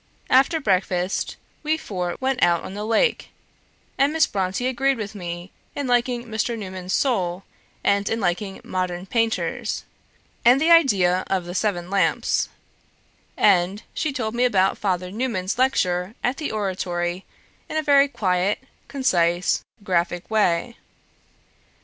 ... After breakfast, we four went out on the lake, and Miss Brontë agreed with me in liking Mr. Newman's Soul, and in liking Modern Painters, and the idea of the Seven Lamps; and she told me about Father Newman's lectures at the Oratory in a very quiet, concise, graphic way.